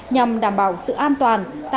nhằm đảm bảo sự an toàn